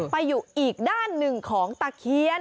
ไปอยู่อีกด้านหนึ่งของตะเคียน